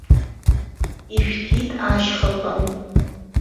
Ишәҭыит ашьхақәа.